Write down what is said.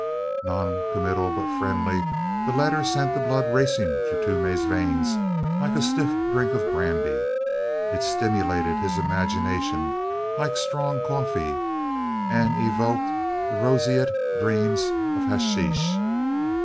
Noncommittal, but friendly, the letter sent the blood racing through Toomey's veins like a stiff drink of brandy. It stimulated his imagination like strong coffee and evoked the roseate dreams of hasheesh.